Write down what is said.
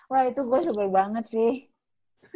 wah itu gue sebel banget sih